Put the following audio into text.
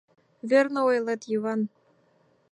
— Верно ойлет, Иван.